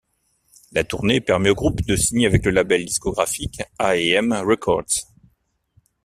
La tournée permet au groupe de signer avec le label discographique A&M Records.